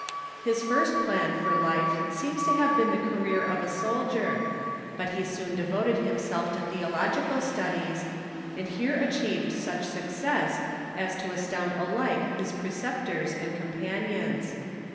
His first plan for life seems to have been the career of a soldier, but he soon devoted himself to theological studies, and here achieved such success as to astound alike his preceptors and companions.